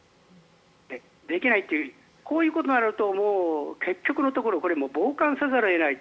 できないとこういうことになるともう結局のところ傍観せざるを得ない。